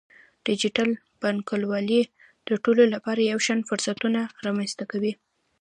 ډیجیټل بانکوالي د ټولو لپاره یو شان فرصتونه رامنځته کوي.